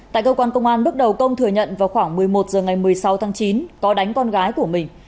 tại cơ quan công an bước đầu công thừa nhận vào khoảng một mươi một h ngày một mươi sáu tháng chín có đánh con gái của mình